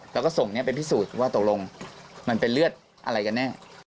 แล้วก็ส่งนี้ไปพิสูจน์ว่าตกลงมันเป็นเลือดอะไรกันแน่